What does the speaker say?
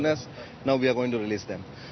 sekarang kami akan melepaskannya